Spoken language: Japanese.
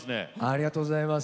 ありがとうございます。